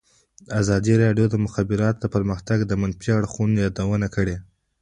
ازادي راډیو د د مخابراتو پرمختګ د منفي اړخونو یادونه کړې.